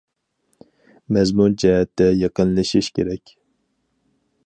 مەزمۇن جەھەتتە يېقىنلىشىش كېرەك.